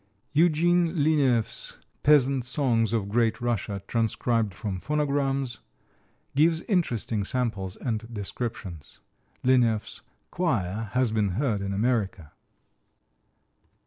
Eugenie Lineff's "Peasant Songs of Great Russia" (transcribed from phonograms) gives interesting samples and descriptions. Lineff's choir has been heard in America.